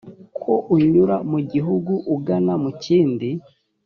ko unyura mu gihugu ugana mu kindi